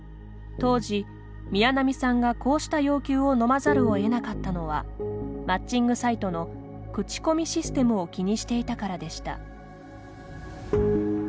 当時、宮南さんがこうした要求を飲まざるを得なかったのはマッチングサイトの口コミシステムを気にしていたからでした。